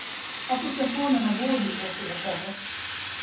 Associationerna går ju åt det hållet.